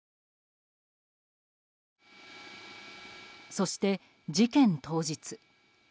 そして、事件当日。